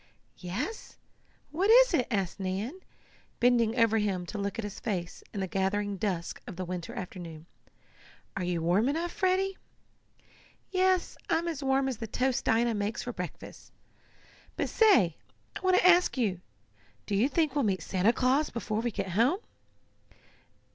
"Yes, what is it?" asked Nan, bending over him to look at his face in the gathering dusk of the winter afternoon. "Are you warm enough, Freddie?" "Yes, I'm as warm as the toast Dinah makes for breakfast. But say, I want to ask you do you think we'll meet Santa Claus before we get home?"